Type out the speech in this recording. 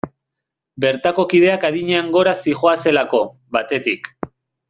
Bertako kideak adinean gora zihoazelako, batetik.